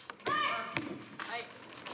はい。